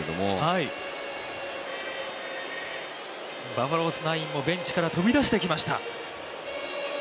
バファローズナインもベンチから飛び出してきました。